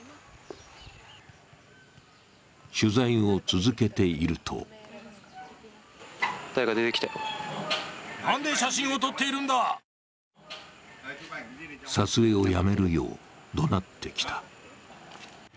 取材を続けていると撮影をやめるよう怒鳴ってきた。